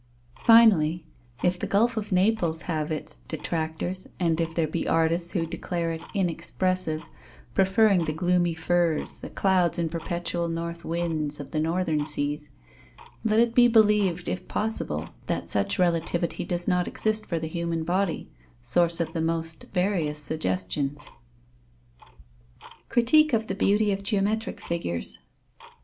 Finally, if the Gulf of Naples have its detractors, and if there be artists who declare it inexpressive, preferring the "gloomy firs," the "clouds and perpetual north winds," of the northern seas; let it be believed, if possible, that such relativity does not exist for the human body, source of the most various suggestions! _Critique of the beauty of geometric figures.